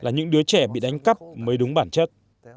người trẻ bị đánh cắp mới đúng bản chất